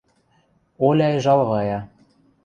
Оляй жалвая.